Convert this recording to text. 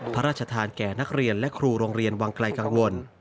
พระราชทานแก่นักเรียนและครูโรงเรียนวังไกลกังวล